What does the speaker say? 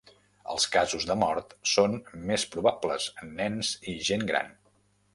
Els casos de mort són més probables en nens i gent gran.